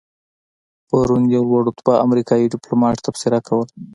پرون یو لوړ رتبه امریکایي دیپلومات تبصره کوله.